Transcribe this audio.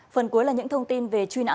phần cuối là những thông tin về truy nã